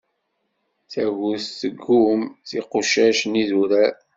Tagut tɣumm tiqucac n yidurar.